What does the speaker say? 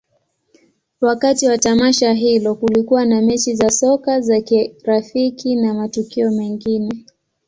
Wakati wa tamasha hilo, kulikuwa na mechi za soka za kirafiki na matukio mengine.